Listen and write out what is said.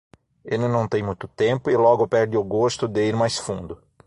Ele não tem muito tempo e logo perde o gosto de ir mais fundo.